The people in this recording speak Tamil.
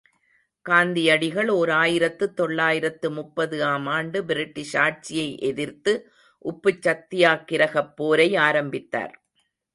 காந்தியடிகள் ஓர் ஆயிரத்து தொள்ளாயிரத்து முப்பது ஆம் ஆண்டு பிரிட்டிஷ் ஆட்சியை எதிர்த்து உப்புச் சத்தியாக்கிரகப் போரை ஆரம்பித்தார்.